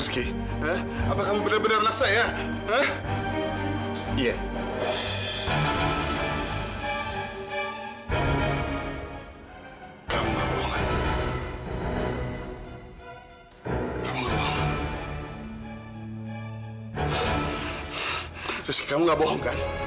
kamu tidak bohong kan